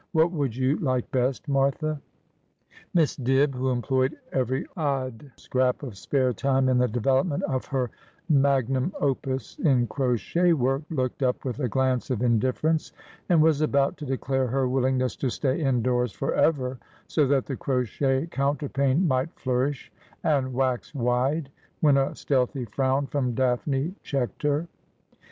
What would you like best, Martha ?' Miss Dibb, who employed every odd scrap of spare time in the development of her magnum opus in crochet work, looked up with a glance of indifference, and was about to declare her willingness to stay indoors for ever, so that the crochet counter pane might flourish and wax wide, when a stealthy frown from Daphne checked her.